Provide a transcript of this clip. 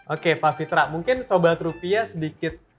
oke pak fitra mungkin sobat rupiah sedikit